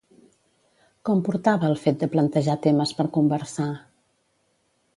Com portava el fet de plantejar temes per conversar?